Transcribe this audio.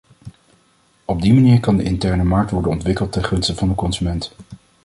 Op die manier kan de interne markt worden ontwikkeld ten gunste van de consument.